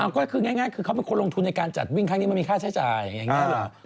ก็คือง่ายคือเขาเป็นคนลงทุนในการจัดวิ่งครั้งนี้มันมีค่าใช้จ่ายอย่างนี้หรอ